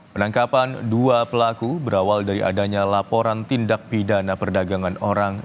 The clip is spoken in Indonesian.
penangkapan dua pelaku berawal dari adanya laporan tindak pidana perdagangan orang